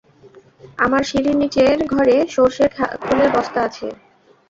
আমার সিঁড়ির নীচের ঘরে সরষের খোলের বস্তা আছে।